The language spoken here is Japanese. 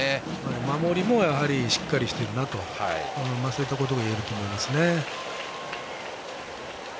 守りもしっかりしているなということがいえると思います。